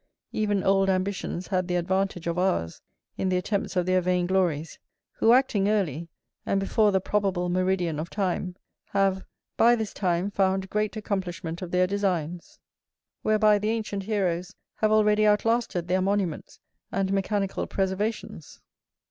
Even old ambitions had the advantage of ours, in the attempts of their vain glories, who acting early, and before the probable meridian of time, have by this time found great accomplishment of their designs, whereby the ancient heroes have already outlasted their monuments and mechanical preservations.